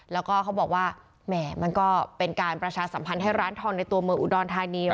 แล้วก็เขาบอกว่าแหม่มันก็เป็นการประชาสัมพันธ์ให้ร้านทองในตัวเมืองอุดรธานี